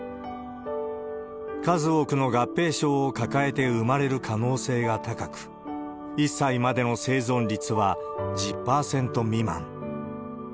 数多くの合併症を抱えて生まれる可能性が高く、１歳までの生存率は１０％未満。